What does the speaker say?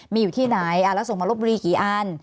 มีอยู่ที่ไหนแล้วส่งมารบบุรีกี่อัน